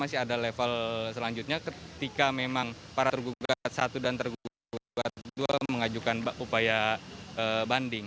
selanjutnya ketika memang para tergugat satu dan tergugat dua mengajukan upaya banding